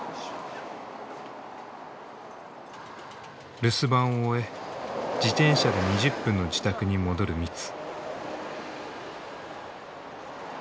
留守番を終え自転車で２０分の自宅に戻るミツ。